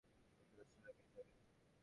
বুকস্টলে পেয়ে যাবেন।